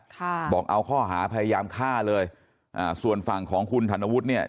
ค่ะบอกเอาข้อหาพยายามฆ่าเลยอ่าส่วนฝั่งของคุณธนวุฒิเนี่ย